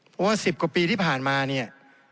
เพราะว่า๑๐กว่าปีที่ผ่านมาเนี่ย